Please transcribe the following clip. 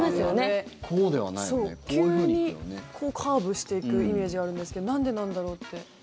急にカーブしていくイメージがあるんですけどなんでなんだろうって。